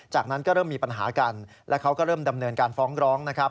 จากนั้นก็เริ่มมีปัญหากันแล้วเขาก็เริ่มดำเนินการฟ้องร้องนะครับ